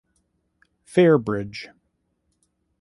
Fairbridge.